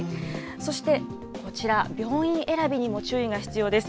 そしてこちら、病院選びにも注意が必要です。